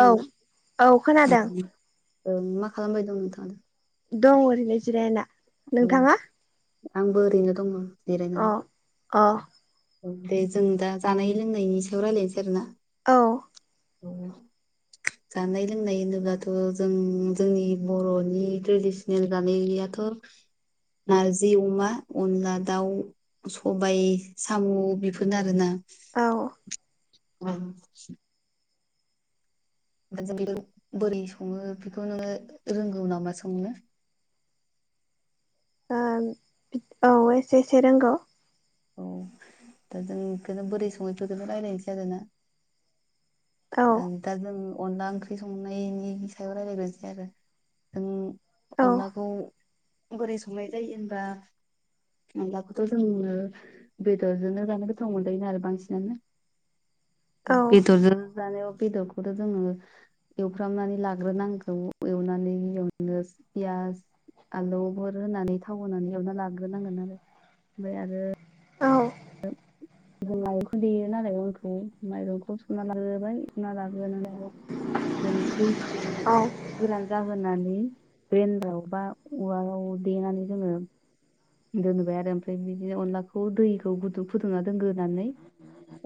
औ औ खोनादों। औ मा खालामबाय दं नोंथाङा दा? दं ओरैनो जिरायना। नोंथाङा? आंबो ओरैनो दङ अ जिरायनानै अ औ दे जों दा जानाय लोंनायनि सायाव रायजलायनोसै आरो ना औ उ जानाय लोंनाय होनोब्लाथ' जों जोंनि बर'नि ट्रेडिसनेल जानाय थ' नारजि अमा अनला दाउ सबाय साम' बेफोरनो आरोना। औ। अ [unintelligible] बेखौ बोरै सङो बेखौ नोङो रोंगौ नामा संनो? ओं औ एसे एसे रोंगौ। औ दा जों बेखौनो बोरै सङैफोरखौनो राय्लायसै आरो ना? औ दा जों अनला ओंख्रि संनायनि सायाव रायज्लायग्रोसै आरो जों औ अनलाखौ बोरै संनाय जायो होनबा अनलाखौथ' जोङो बेदरजोंनो जानो गोथाव मोनजायो ना आरो बांसिनानो। [inaudible] दा औ बेदरजों जानायाव बेदरखौथ' जोङो एवफ्रामनानै लाग्रोनांगौ एवनानै यावनो पियास आलौफोर होनानै थाव होनानै एवना लाग्रोनांगोन आरो ओमफ्राय आरो औ जों माइरं देयो नालाय अनखौ माइरंखौ सुना लाग्रोबाय सुना लाग्रो [unintelligible] जों दैखौ औ गोरान जाहोनानै [unintelligible] बा उवालाव देनानै जोङो दोनबाय आरो ओमफ्राय बिदिनो अनलाखौ दैखौ गुदुं फुदुं ना दोनग्रोनानै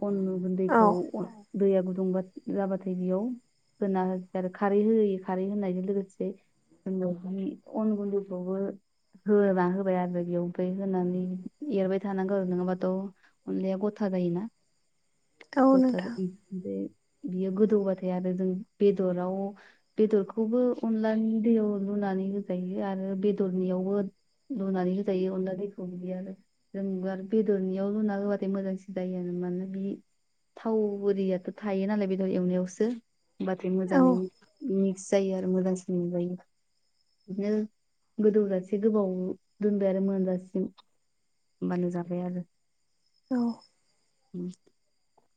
अन औ गुन्दैखौ दैया गुदुंबा जाबाथाय बेयाव होना हो आरो खारै होयो खारै होनायजों लोगोसे [unintelligible] अन गुन्दैखौबो होना होबाय आरो बेयाव ओमफ्राय होनानै एरबाय थानांगौ आरो नोङाबाथ' अनलाया गथा जायोना औ गथा नोंथां जायो बियो गोदौबाथाय आरो जों बेदराव बेदरखौबो अनलानि दैयाव लुना नानै होजायो आरो बेदरनियावबो लुनानै होजायो अनला दैखौ बिदि आरो जोंबो आरो बेदरनियाव लुना होबा बि मोजांसिन जायो मानोना बि थाव बोरियाथ' थायो नालाय बेदर एवनायावसो होमबाथाय मोजाङै औ मिक्स जायो आरो मोजांसिन मोनजायो। बिदिनो गोदौजासे गोबाव दोनबाय आरो मोनजासिम। होमबानो जाबाय आरो। औ। उम्म।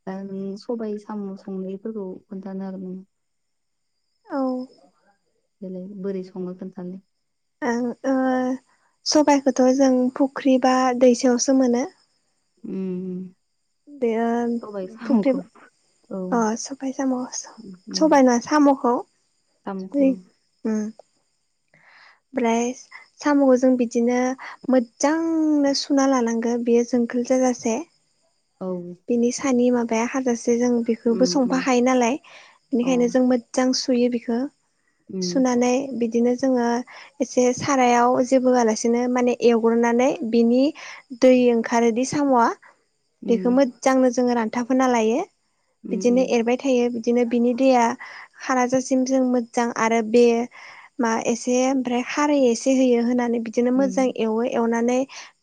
दा नों सबाय साम' संनायफोरखौ खोनथानो हागोन नामा? औ देलाय बोरै सङो खोनथालाय। आं ओ सबायखौथ' जों फुख्रि बा दैसायावसो मोनो। उम्म। बे ओ फुख्रि औ अ सबाय साम' उम सबाय ना साम'खौ साम'खौ ओइ उम्म। ओमफ्राय साम'खौ जों बिदिनो मोजांनो सुना लानांगो बेयो जों खोल जाजासे औ बिनि सानि माबाया हाजासे जों बेखौबो उम उम संफाखायो नालाय अ बेनिखायनो जों मोजां सुयो बेखो। उम सुनानै बिदिनो जोंङो जे सारायाव जेबो होआलासेनो माने एवग्रोनानै बिनि दै ओंखारोदि साम'आ उम्म। सिगांनो जोङो रान्थाब होना लायो बिदिनो उम एरबाय थायो। बिदिनो बिनि दैया खाराजासिम जों मोजां आरो बे मा एसे ओमफ्राय खारै एसे होयो होनानै बिदिनो उम मोजां एवो एवनानै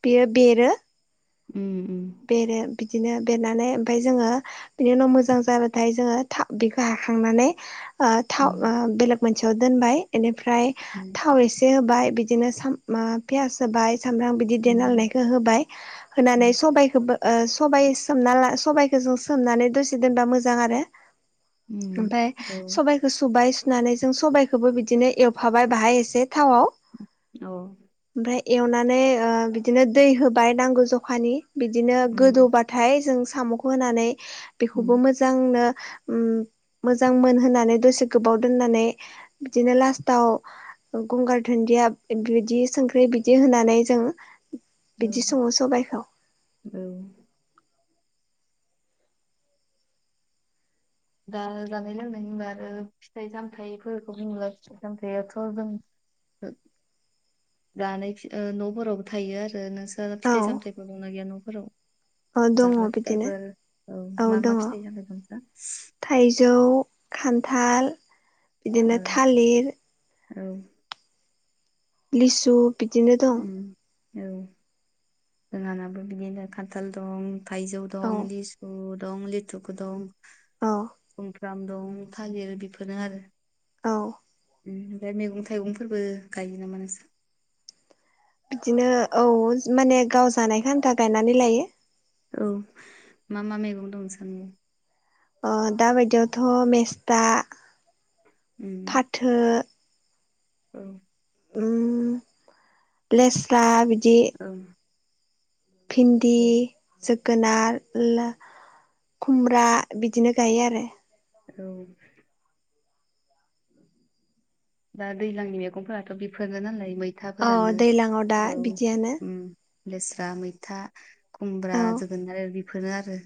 बियो बेरो उम उम। बेरो बिदिनो बेरनानै ओमफाय जोङो बिनि उनाव मोजां जाबाथाय जोङो थाब बेखौ हाखांनानै ओ थाव ओ उम बेलेग मोनसेयाव दोनबाय बेनिफ्राय थाव एसे होबाय बिदिनो सा पियास होबाय सामब्राम बिदि देना लानायखो होबाय होनानै उम सबा ओ सबाय सोमना ला सबखौ जों सोमनानै दसे दोनबा मोजां आरो। उम ओमफफ्राय उम औ सबाइखौ सुबाय सुनानै जों सबायखौबो बिदिनो एवफाबाय बाहाय एसे थावाव औ। इमफाय एवनानै ओ बिदिनो दै होबाय नांगौ जखानि बिदिनो उम गोदौबाथाय जों साम'खौ होनानै उम बेखौबो मोजांनो उम। मोजां मोन होननानै दसे गोबाव दोननानै बिदिनो लास्टाव गंगार धोनदि या बिदि संख्रै बिदि होनानै जों औ बिदि सङो सबायाइखौ। औ। दा जानाय लोंनाय होनबा आरो फिथाइ सामथायाइफोरखौ होनोबा फिथाइ सामथायाइयाथ' जों [unintelligible] दानाय न'फोरावबो थायो आरो नोंसोर औ फिथाइ सामथायफोर दंना गैया न'फोराव औ दङ जाग्रा बिदिनो फिथाइफोर औ औ मा दङ मा फिथाइ जानाय नोंसा थाइजौ खान्थाल बिदिनो औ थालिर औ। लिसु बिदिनो दं। उम औ जोंहानाबो बिदिनो खान्थाल दं थायजौ औ दं लिसु दं लिथुुकु दं। औ ग्राम दुं थालिर बेफोरनो आरो। औ। ओमफ्राय मैगं थाइगंफोरबो गायो नामा नोंसा बिदिनो औ माने गाव जानायख आन्था गायनानै लायो। औ मा मा मैगं दं नोंसानिया? दााबायदियावथ' मेस्ता उम फाथो औ। ओम लेस्रा बिदि औ। भिन्दि औ जोब जोगोनार खुमब्रा बिदिनो गायो आरो। औ। दा दैज्लांनि मैगंफोराथ' बेफोरनो नालाय औ मैथाफोरानो दैज्लाङाव दा औ बिदियानो उम लेस्रा मैथा खुमब्रा औ जोगोनार बेफोरनो आरो।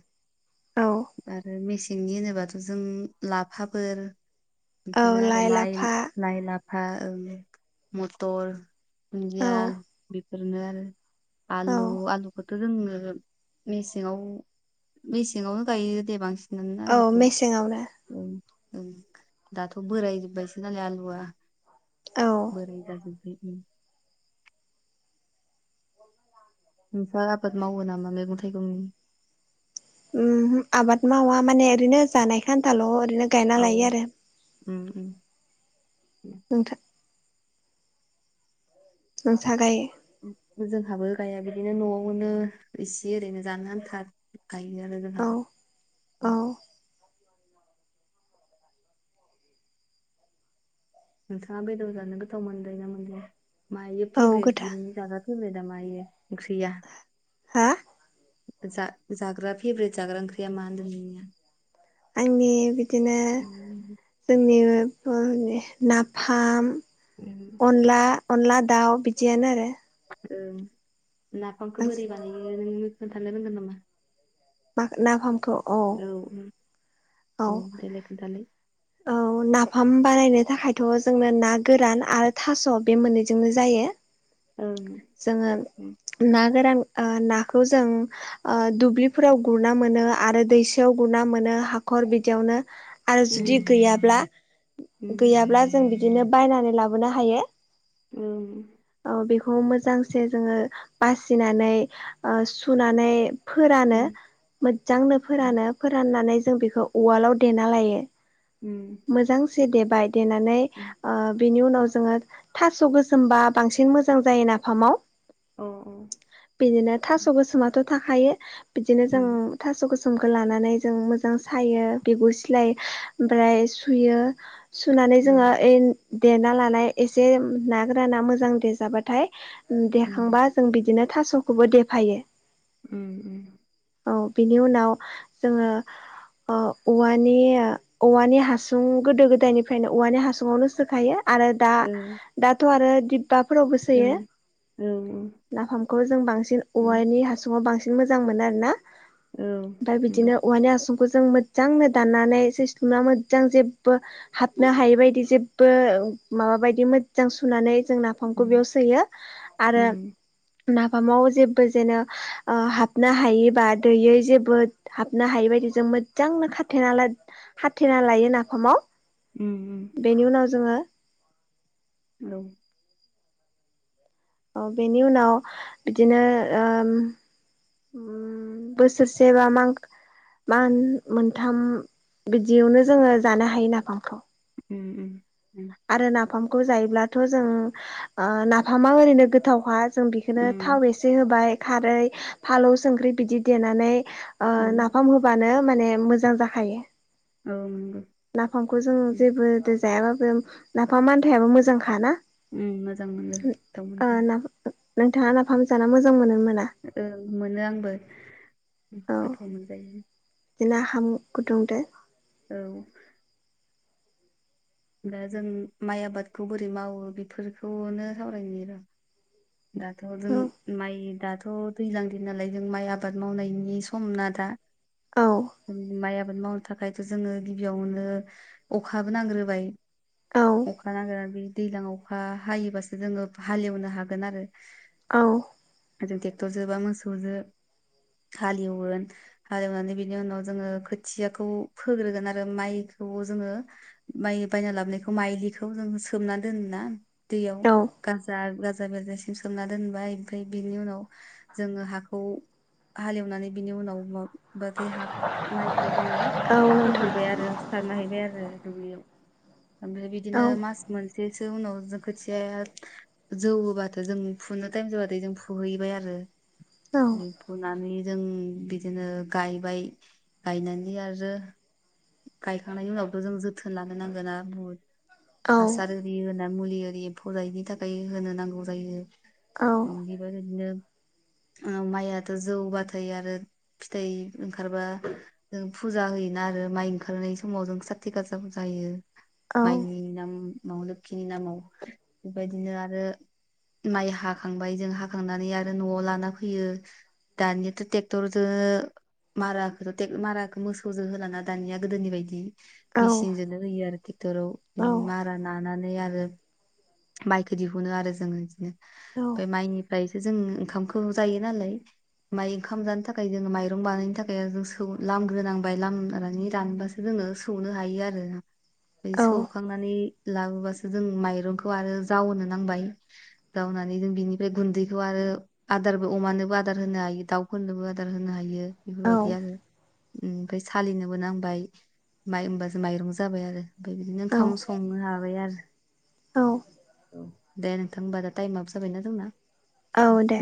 औ आरो मेसेंनि होनोबाथ' जों लाफाफोर औ बेफोरनो आरो लाइ लाफा लाइ लाफा मथर औ दुन्दिया बेफोरनो आरो औ आलु आलुखौथ' जोंङनो मेसेङाव मेसेङावनो गायो दे बांसिन। नो औ आलुखौ मेसेङावनो दाथ' बोरायजोब्बायसो नालाय आलु या औ बोरै जाजोबाय नोंस्रा आबाद मावो नामा मैगं थाइगंनि? ओमहो आबाद मावा माने ओरैनो जानायखो आन्थाल' ओरैनो गायना औ लायो आरो उम उम। नोंथां नोंथाङा गायो? जोंहाबो गाया गोदैनो न'आवनो इसे ओरैनो जानो आन्था गायो आरो औ जोंहाबो औ उम। नोंथाङा बेदर जानो गोथाव मोनजायो ना मोनजाया मायो औ फेभरेट गोथा नोंनि जाजा फेब्रेदा मायो ओंख्रिया हा जा जाग्रा फेब्रेद जाग्रा ओंख्रिया मा होनदों नोंनिया। [unintelligible] बिदिनो जोंनि [unintelligible] नाफाम अनला अनला दाउ बिदियानो आरो ओं नाफामखौ बांसिन बोरै बानायो नों खोन्थानो रोंगोन नामा? मा नाफामखौ अ औ औ देलाय खोन्थालाय। औ नाफाम बानायनो थाखायथ' जोंनो ना गोरान आरो थास' बे मोननैजोंनो जायो। ओं जोङो उम ना गोरान ओ नाखौ जों ओ दुब्लिफोराव गुरना मोनो आरो दैसायाव गुरना मोनो हा खर बिदियावनो आरो जुदि गैयाब्ला उम गैयाब्ला जों बिदिनो बायनानै लाबोनो हायो। उम। औ बेखौ मोजांसे जोङो बासिनानै ओ सुनानै फोरानो उम मोजजांनो फोरानो फोराननानै जों बेखौ उवालाव देना लायो। उम उम मोजांसे देबाय देनानै ओ बेनि उनाव जोङो थास' गोसोमबा बांसिन मोजां जायो नाफामाव। अ उम औ बिदिनो थास' उम गोसोमाथ' थाखायो बिदिनो जों उम थास' गो सोमखो लानानै जों मोजां सायो बिगुर स्लाय ओमफ्राय सुयो। सुनानै जोङो ओइ देना लानाय एसे ना गोराना मोजां देजाबाथाय देखांबा जों बिदिनो थास'खौबो देफायो। उम उम। औ बिनि उनाव जोङो ओ औवानि ओ औवानि हा सुं गोदो गोदायनिफ्रायनो औवानि हासुङावनो सोखायो आरो दा औ दाथ' आरो दिब फाफोरावबो औ सोयो। नाफामखौ जों बांसिन औ औवानि हासुङाव बां सिन मोजां मोनो आरो ना। औ ओमफ्राय नंगौ बिदिनो औवानि हासुंफोर जों मोजजांनो दाननानै सिस्टुम ना मो जां जेबो हाबनो हायै बायदि जेबबो माबा बायदि मोजां सुनानै जों नाफामखौ उम बेयाव सोयो आरो उम नाफामाव जेबो जेनो ओ हाबनो हायै बा दैयै जेबो हाबनो हायै बायदि जों मोजजांनो खाथेना लाद खाथेना लायो नाफामाव। उम बेनि उनाव जोङो औ। औ बेनि उनाव बिदिनो ओम उम बोसोरसे बा मां मान मोनथाम बिदियावनो जोङो जानो हायो नाफामखौ। उम उम। आरो नाफामखौ जायोब्लाथ' जों ओ नाफामा ओरैनो गोथावखा। जों बेखोनो उम थाव एसे होबाय खारै फालौ संख्रि बिदि देनानै ओ उम नाफाम होबानो माने मोजां जाखायो। औ नंगौ। नाफामखौ जों जेबो दो जायाबाबो नाफाम आन्थायाबो मोजांखा ना? उम मोजां मोनो गोथाव मोनजायो। नोंथाङा नाफाम जान मोजां मोनोमोन? औ मोनो आंबो गोथाव मोनजायो। जोंना हाम गुदुंदो औ। दा जों माइ आबादखौ बोरै मावो बेफोरखौनो सावरायनो र' दाथ' अ औ माइ द दैजलां दिन नालाय जों माइ आबाद मावनायनि सम न दा औ उम आबाद आबाद मावनो थाखायथ' जोङो गिबियावनो अखाबो नांग्रोबाय औ अखा नागिरा बे दैज्लां अखा हायोबासो जोङो हालेवनो हागोन आरो औ। ट्रेक्टरजों बा मोसौजों हालेवगोन हालेवनानै बिनि उनाव जोङो खोथियाखौ फोग्रोगोन आरो माइ खौ जोङो माइ बायना लाबोनायखौ माइलिखौ जो सोमना दोन ना दैयाव औ गाजा बजा बेरजासिम सोमना दोनबाय ओमफ्राय बिनि उनाव जोङो हाखौ हालेवनानै बिनि उनाव बबा दैै हा माइखौ जोङो औ नोंथां फोहैबाय आरोथारना हैबाय आरो दुब्लियाव ओमफ्राय बिदिनो औ मास मोनसेसो उनाव जों खोथियाया जौबाथ' जों फुनो टाइम जोबाथाय जों फुहैबाय आरो फुनानै जों बिदिनो गायबाय गायनानै आरो गायखांनायनि उनावथ' जों जोथोन लानो नांगोना मुर औ हासार आररि होना मुलि आररि फजाइनि थाखाय होनो नांगौ जायो मगबदि [inaudible] माइयाथ' जौबाथाय आरो फिथाइ ओंखारबा फुजा होयोना आरो माइ ओंखारनाय समाव जों साथि गाजा जायो औ माइनि नाम माव लोखिनि नामाव बेबायदिनो आरो माइ हाखांबाय जों हाखांनानै आरो न'आव लाना फैयो दानियाथह ट्रेक्टरजों माराखौथ' माराखौो मोसौजो होलाना दानिया गोदोनि बायदि मेसििनजोंनो होयो आरो बिथटराव मारा नानानै आरो माइखौ दिहुनो आरो जोङो बिदिनो औ ओमफ्राय माइनि ओमफ्रायसो जों ओंखामखौ जायो नालाय। माइ ओंखाम जानो थाखाय जोङो माइरं बानायनो थाखाय जों लामग्रोनांबाय लामग्रोनानै रानोबासो जों सौनो हायो आरो औ सौखांनानै लाबोबासो जों माइरंखौ आरो जावनो नांबाय जावनानै जों बिनिफ्राय गुनदैखौ आरो आदारबो अमानोबो। आदार होनो हायो दाउफोरनोबो आदार होनो हायो औ बेफोरबायदि आरो। ओमफ्राय सालिनोबो नांबाय माइ होमबासो माइरं जाबाय आरो। ओमफ्राय बिदिनो ओंखाम औ संनो हाबाय आरो। औ औ, दे नोंथां होमबा दा टाइमाबो जाबायना जोंना। औ दे